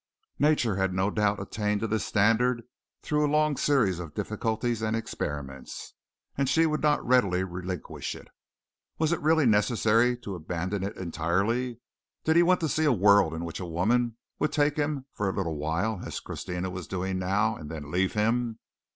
Nature had no doubt attained to this standard through a long series of difficulties and experiments, and she would not readily relinquish it. Was it really necessary to abandon it entirely? Did he want to see a world in which a woman would take him for a little while as Christina was doing now, and then leave him?